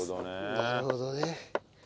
なるほどね。